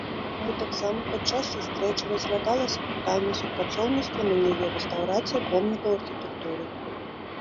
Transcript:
Гэтаксама падчас сустрэчы разглядалася пытанне супрацоўніцтва на ніве рэстаўрацыі помнікаў архітэктуры.